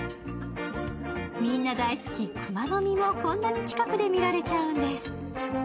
みんな大好きクマノミもこんな近くで見られちゃうんです。